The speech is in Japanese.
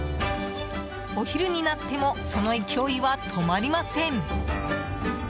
お昼になってもその勢いは止まりません。